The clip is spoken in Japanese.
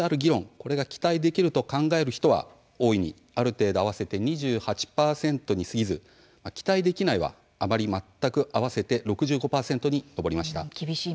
これが期待できると考える人は大いに、ある程度、合わせて２８％に過ぎず期待できないは、あまり、全く合わせて６５％に上りました。